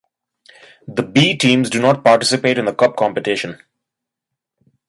The "B" teams do not participate in the cup competition.